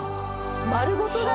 丸ごとだ。